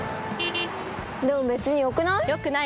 でも別によくない？